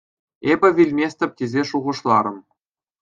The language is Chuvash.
Эпӗ вилместӗп тесе шухӑшларӑм.